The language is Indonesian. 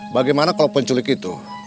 bagaimana kalau penculik itu